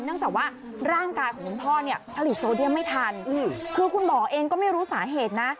จากว่าร่างกายของคุณพ่อเนี่ยผลิตโซเดียมไม่ทันคือคุณหมอเองก็ไม่รู้สาเหตุนะ